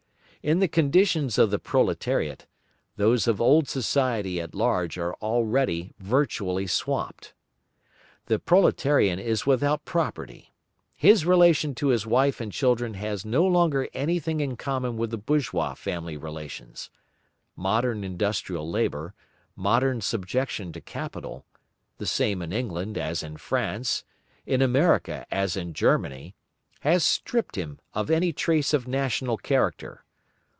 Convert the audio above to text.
In the conditions of the proletariat, those of old society at large are already virtually swamped. The proletarian is without property; his relation to his wife and children has no longer anything in common with the bourgeois family relations; modern industrial labour, modern subjection to capital, the same in England as in France, in America as in Germany, has stripped him of every trace of national character.